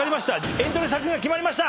エントリー作品が決まりました！